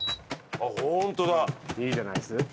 いいんじゃないです？